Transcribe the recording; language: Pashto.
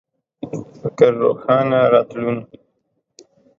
فکر روښانه راتلون